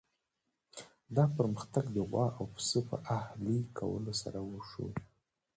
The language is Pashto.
دا پرمختګ د غوا او پسه په اهلي کولو سره وشو.